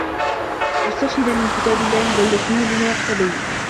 مُسْتَشْهِدًا مِنْ كِتَابِ اللَّهِ جَلَّ اسْمُهُ بِمَا يَقْتَضِيهِ